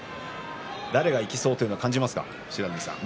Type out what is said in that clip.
誰がいきそうというのは感じますか。